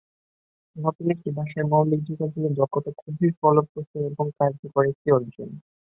নতুন একটি ভাষায় মৌলিক যোগাযোগের দক্ষতা খুবই ফলপ্রসূ এবং কার্যকর একটি অর্জন।